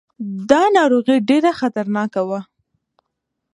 دا ناروغي ډېره خطرناکه وه.